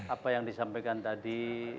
apa yang disampaikan tadi